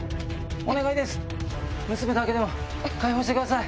お願いです！